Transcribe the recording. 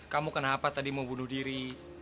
kamu kenapa tadi mau bunuh diri